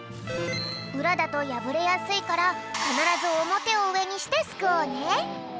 うらだとやぶれやすいからかならずおもてをうえにしてすくおうね。